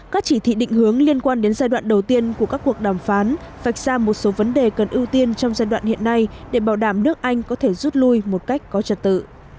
các chỉ thị định hướng liên quan đến giai đoạn đầu tiên của các cuộc đàm phán vạch ra một số vấn đề cần ưu tiên trong giai đoạn hiện nay để bảo đảm nước anh có thể rút lui một cách có trật tự